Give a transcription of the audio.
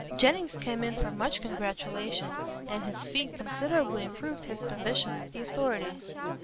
Jennings came in for much congratulation, and his feat considerably improved his position with the authorities.